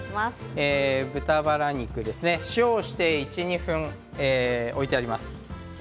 豚バラ肉塩をして１、２分置いてあります。